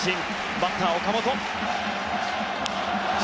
バッターは岡本。